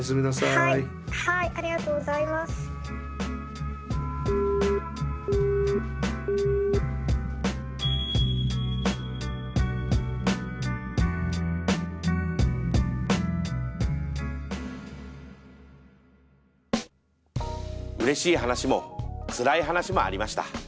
はいありがとうございうれしい話もつらい話もありました。